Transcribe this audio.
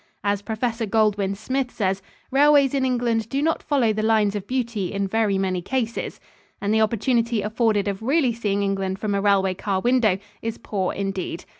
As Professor Goldwin Smith says, "Railways in England do not follow the lines of beauty in very many cases," and the opportunity afforded of really seeing England from a railway car window is poor indeed.